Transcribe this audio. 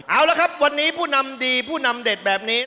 เอาละครับวันนี้ผู้นำดีผู้นำเด็ดแบบนี้